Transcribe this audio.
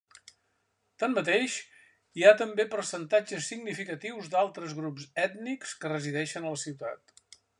Tanmateix, hi ha també percentatges significatius d'altres grups ètnics que resideixen a la ciutat.